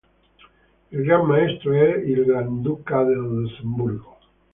Il Gran Maestro è il Granduca del Lussemburgo.